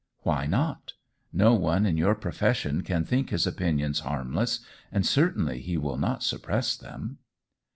"Why not? No one in your profession can think his opinions harmless, and certainly he will not suppress them."